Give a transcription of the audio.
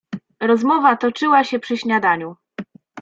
"Rozmowa toczyła się przy śniadaniu."